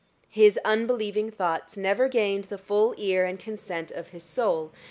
His unbelieving thoughts never gained the full ear and consent of his soul.